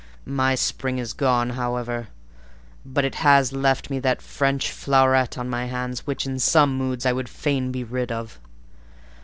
My Spring is gone, however, but it has left me that French floweret on my hands, which, in some moods, I would fain be rid of.